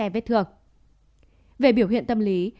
về biểu hiện tâm lý